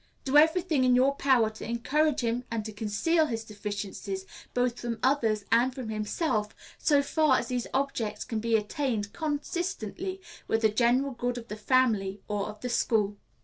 Do every thing in your power to encourage him, and to conceal his deficiencies both from others and from himself, so far as these objects can be attained consistently with the general good of the family or of the school.